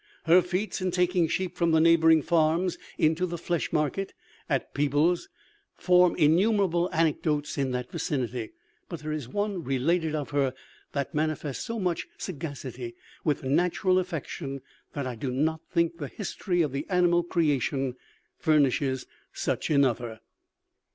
Her feats in taking sheep from the neighbouring farms into the Flesh market at Peebles, form innumerable anecdotes in that vicinity. But there is one related of her, that manifests so much sagacity with natural affection, that I do not think the history of the animal creation furnishes such another.